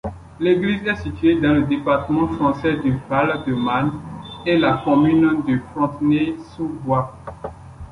L'église est située dans le département français du Val-de-Marne et la commune de Fontenay-sous-Bois.